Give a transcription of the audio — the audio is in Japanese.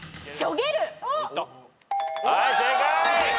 はい正解。